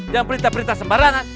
jangan berita berita sembarangan